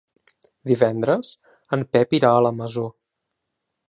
Divendres en Pep irà a la Masó.